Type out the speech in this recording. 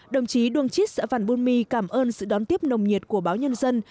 đồng chí đương chít sở văn bùn my cảm ơn sự đón tiếp nồng nhiệt của báo nhân dân